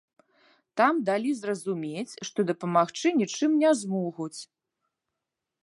Там далі зразумець, што дапамагчы нічым не змогуць.